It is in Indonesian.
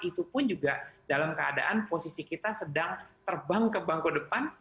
itu pun juga dalam keadaan posisi kita sedang terbang ke bangko depan